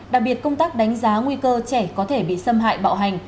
đặc biệt công tác đánh giá nguy cơ trẻ có thể bị xâm hại bạo hành